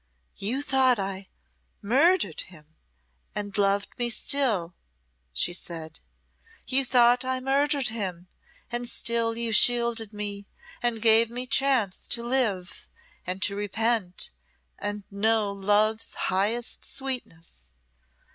"You thought I murdered him, and loved me still," she said. "You thought I murdered him, and still you shielded me, and gave me chance to live, and to repent, and know love's highest sweetness.